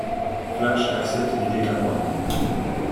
Flash accepte d'aider Cameron.